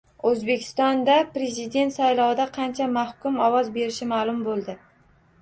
O‘zbekistonda Prezident saylovida qancha mahkum ovoz berishi ma’lum bo‘ldi